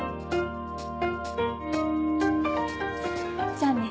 じゃあね。